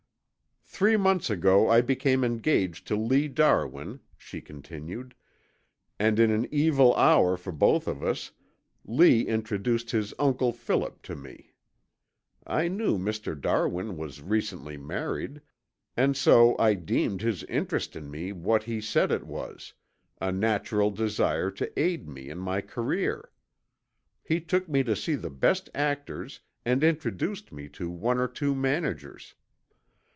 "Three months ago I became engaged to Lee Darwin," she continued, "and in an evil hour for both of us, Lee introduced his uncle Philip to me. I knew Mr. Darwin was recently married, and so I deemed his interest in me what he said it was, a natural desire to aid me in my career. He took me to see the best actors and introduced me to one or two managers.